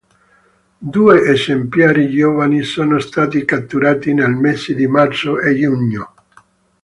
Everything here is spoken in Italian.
Due esemplari giovani sono stati catturati nei mesi di marzo e giugno.